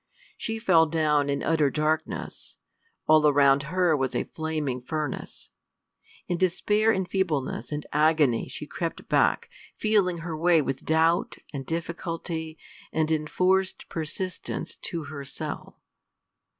She fell down in utter darkness. All around her was a flaming furnace. In despair and feebleness and agony she crept back, feeling her way with doubt and difficulty and enforced persistence to her cell.